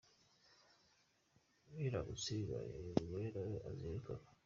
Biramutse bibaye, uyu mugore na we azirukanwa.